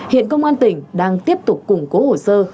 hiện công an tỉnh đang tiếp tục củng cố hồ sơ